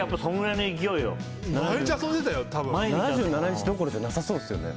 ７７日どころじゃなさそうっすよね。